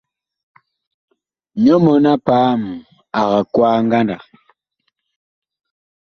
Nyɔ mɔn-a-paam ag kwaa ngandag.